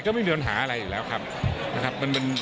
ก็ไม่มีปัญหาอะไรอยู่แล้วครับ